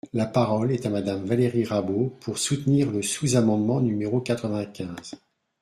La parole est à Madame Valérie Rabault, pour soutenir le sous-amendement numéro quatre-vingt-quinze.